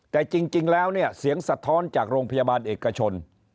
แต่จริงแล้วเนี่ยเสียงสะท้อนจากโรงพยาบาลเอกชน